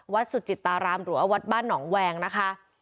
วัดสุจิตรารามหรือวัดบ้านหนองแหวงนะคะ